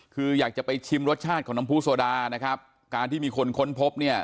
คืออยากจะไปชิมรสชาติของน้ำผู้โซดานะครับการที่มีคนค้นพบเนี่ย